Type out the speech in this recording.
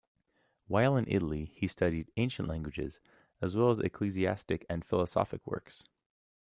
While in Italy, he studied ancient languages, as well as ecclesiastic and philosophic works.